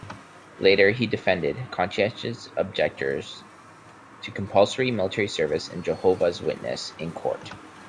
Later, he defended conscientious objectors to compulsory military service and Jehovah's Witnesses in court.